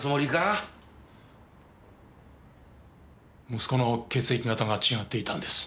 息子の血液型が違っていたんです。